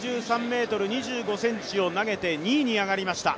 ６３ｍ２５ｃｍを投げて２位に上がりました。